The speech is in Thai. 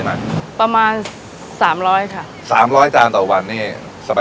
มีวันหยุดเอ่ออาทิตย์ที่สองของเดือนค่ะ